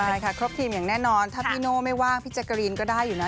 ใช่ค่ะครบทีมอย่างแน่นอนถ้าพี่โน่ไม่ว่างพี่แจ๊กกะรีนก็ได้อยู่นะ